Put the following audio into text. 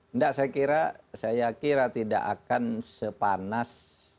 tidak saya kira tidak akan sepanas dua ribu empat belas